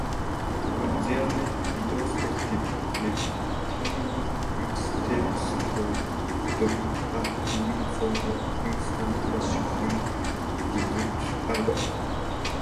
In their retrospective review, Tiny Mix Tapes called it a "fully-formed, instant-classic debut album".